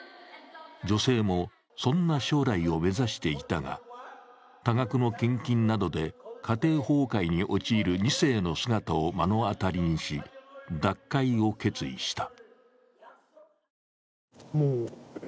女性も、そんな将来を目指していたが、多額の献金などで家庭崩壊に陥る２世の姿を目の当たりにし、脱会を決意した。